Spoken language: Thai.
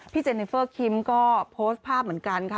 เจนิเฟอร์คิมก็โพสต์ภาพเหมือนกันค่ะ